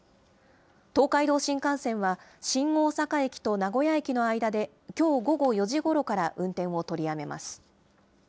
東海道新幹線は新大阪駅と名古屋駅の間で、きょう午後４時ごろから運転を取りやめます。